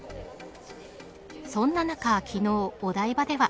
そんな中、昨日お台場では。